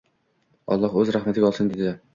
Alloh Oʻz rahmatiga olsin dedi.